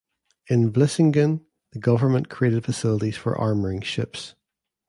In Vlissingen the government created facilities for armoring ships.